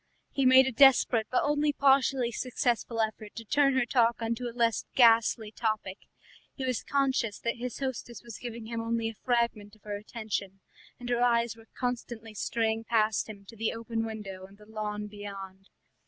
He made a desperate but only partially successful effort to turn the talk on to a less ghastly topic; he was conscious that his hostess was giving him only a fragment of her attention, and her eyes were constantly straying past him to the open window and the lawn beyond.